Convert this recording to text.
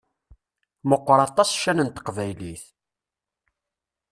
Meqqeṛ aṭas ccan n teqbaylit!